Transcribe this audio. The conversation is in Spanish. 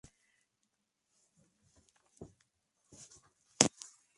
Esta forma particular aumenta la superficie efectiva de la membrana.